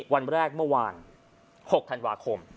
วันแรกเมื่อวาน๖ธันวาคม